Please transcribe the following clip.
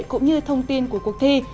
cũng như thông tin của cuộc thi